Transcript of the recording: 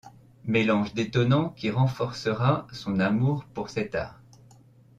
Mélange détonnant qui renforcera son amour pour cet art.